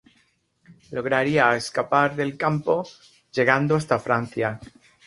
Lograría escapar del campo, llegando hasta Francia.